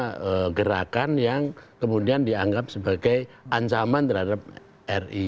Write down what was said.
ada gerakan yang kemudian dianggap sebagai ancaman terhadap ri